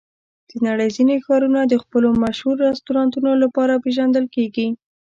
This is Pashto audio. د نړۍ ځینې ښارونه د خپلو مشهور رستورانتونو لپاره پېژندل کېږي.